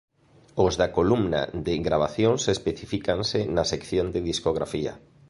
Os da columna de "Gravacións" especifícanse na sección de "Discografía".